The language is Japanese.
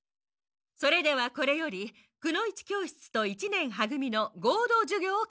それではこれよりくの一教室と一年は組の合同授業をかいさいします。